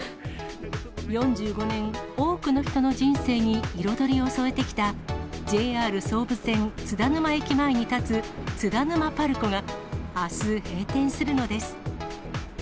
４５年、多くの人の人生に彩りを添えてきた、ＪＲ総武線津田沼駅前に建つ津田沼パルコが、あす閉店するのです。